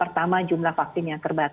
pertama jumlah vaksin yang terbatas